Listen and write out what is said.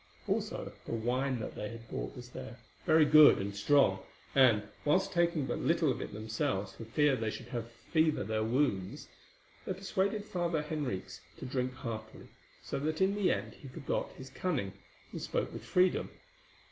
Also the wine that they had bought was there, very good and strong, and, whilst taking but little of it themselves for fear they should fever their wounds, they persuaded Father Henriques to drink heartily, so that in the end he forgot his cunning, and spoke with freedom.